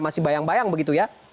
masih bayang bayang begitu ya